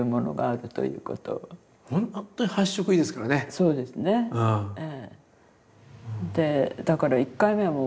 そうですねええ。